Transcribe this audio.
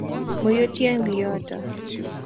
moyutyen kiyoto.